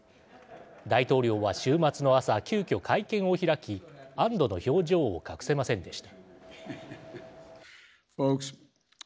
大統領は週末の朝急きょ会見を開き安どの表情を隠せませんでした。